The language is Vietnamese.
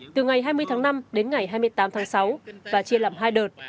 từ ngày hai mươi tháng năm đến ngày hai mươi tám tháng sáu và chia làm hai đợt